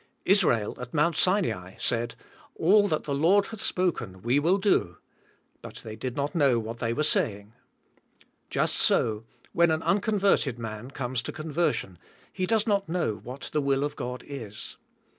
Israel, at Mount Sinai, said, "All that the Lord hath spoken, we will do," but they did not know what they were saying. Just so, when an unconverted man comes to conversion, he does not know what the will of God is.